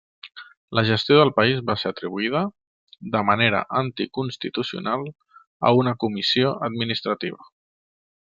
La gestió del país va ser atribuïda, de manera anticonstitucional, a una comissió administrativa.